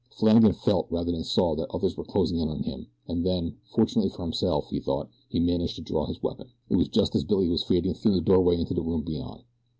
Flannagan felt rather than saw that others were closing in on him, and then, fortunately for himself, he thought, he managed to draw his weapon. It was just as Billy was fading through the doorway into the room beyond.